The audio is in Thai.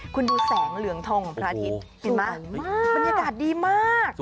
คุณดูแสงเหลืองทองของพระอาทิตย์เห็นไหมบรรยากาศดีมาก